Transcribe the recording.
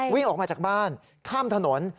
วิ่งออกมาจากบ้านข้ามถนน